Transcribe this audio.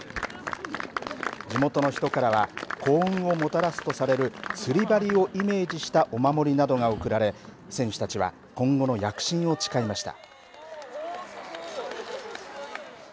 地元の人からは幸運をもたらすとされる釣り針をイメージしたお守りなどが贈られ選手たちは今後の躍進を誓いました。